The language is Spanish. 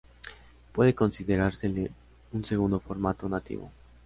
Puede considerársele un segundo formato nativo.